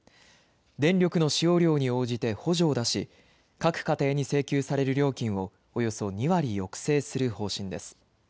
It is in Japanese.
電力の使用量に応じて補助を出し、各家庭に請求される料金をおよそ２割抑制する方針です。